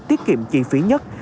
tiết kiệm chi phí nhất